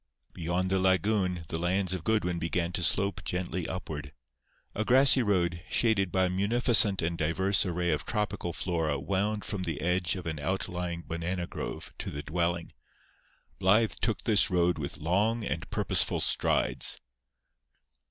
Beyond the lagoon the lands of Goodwin began to slope gently upward. A grassy road, shaded by a munificent and diverse array of tropical flora wound from the edge of an outlying banana grove to the dwelling. Blythe took this road with long and purposeful strides.